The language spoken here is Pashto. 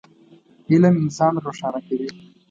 علم انسان روښانه کوي.